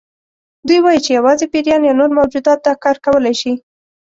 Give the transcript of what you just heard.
دوی وایي چې یوازې پیریان یا نور موجودات دا کار کولی شي.